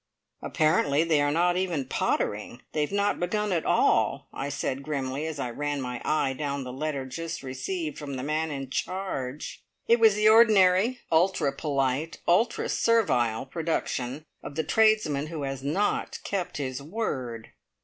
"Apparently they are not even `pottering'! They have not begun at all!" I said grimly, as I ran my eye down the letter just received from the "man in charge". It was the ordinary, ultra polite, ultra servile production of the tradesman who has not kept his word.